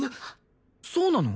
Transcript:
そうなの？